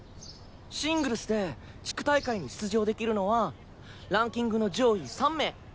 シングルスで地区大会に出場できるのはランキングの上位３名。